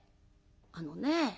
あのね